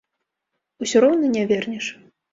Усё роўна не вернеш.